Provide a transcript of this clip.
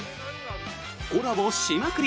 「コラボしまくり！